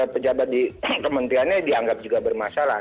pejabat di kementeriannya dianggap juga bermasalah